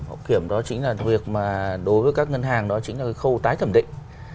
hậu kiểm đó chính là việc mà đối với các ngân hàng đó chính là cái khâu tái thẩm định